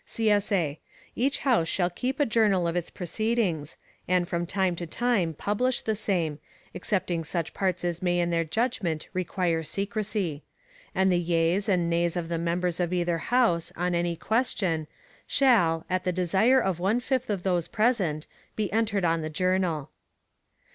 [CSA] Each House shall keep a journal of its proceedings, and from time to time publish the same, excepting such parts as may in their judgment require secrecy; and the yeas and nays of the members of either House, on any question, shall, at the desire of one fifth of those present, be entered on the journal.